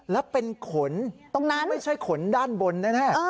แล้วเป็นขนไม่ใช่ขนด้านบนแน่